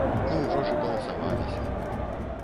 Ну, ужо ж і паласаваліся!